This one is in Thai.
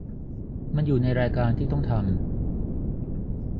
มันอยู่ในรายการที่ต้องทำ